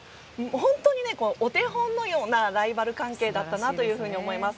本当にお手本のようなライバル関係だったなと思います。